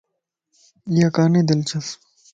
ايا ڪاني دلچسپ